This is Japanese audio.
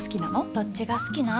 どっちが好きなん？